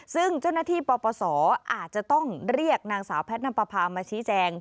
ซึ่งเจ้าหน้าที่ปปศอาจจะต้องเรียกนางสาวแพทย์น้ำประพามาชี้แจง